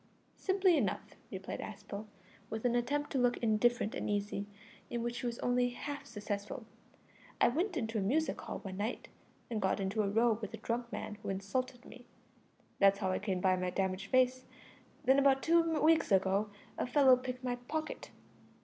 "Simply enough," replied Aspel, with an attempt to look indifferent and easy, in which he was only half successful "I went into a music hall one night and got into a row with a drunk man who insulted me. That's how I came by my damaged face. Then about two weeks ago a fellow picked my pocket.